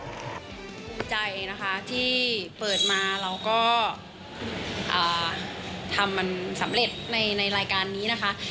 ภูมิใจนะคะที่เปิดมาเราก็ทำมันสำเร็จในรายการนี้นะคะ